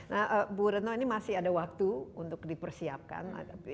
nah bu retno ini masih ada waktu untuk dipersiapkan